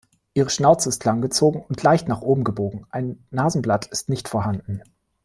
Ihre Schnauze ist langgezogen und leicht nach oben gebogen, ein Nasenblatt ist nicht vorhanden.